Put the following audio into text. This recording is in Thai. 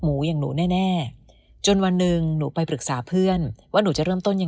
อย่างหนูแน่จนวันหนึ่งหนูไปปรึกษาเพื่อนว่าหนูจะเริ่มต้นยังไง